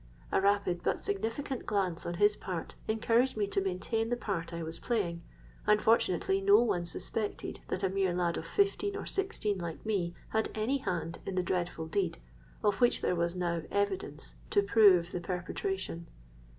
A rapid but significant glance on his part encouraged me to maintain the part I was playing; and fortunately no one suspected that a mere lad of fifteen or sixteen like me had any hand in the dreadful deed of which there was now evidence to prove the perpetration.